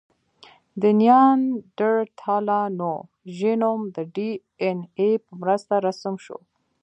د نیاندرتالانو ژینوم د ډياېناې په مرسته رسم شو.